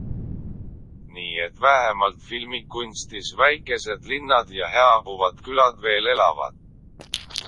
Nii et vähemalt filmikunstis väikesed linnad ja hääbuvad külad veel elavad.